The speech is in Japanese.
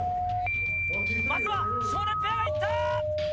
まずは少年ペアがいった！